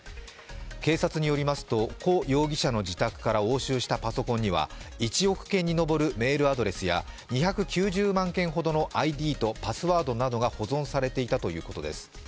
警察によりますと胡容疑者の自宅から押収したパソコンには１億件に上るメールアドレスやＩＤとパスワードなどが保存されていたということです。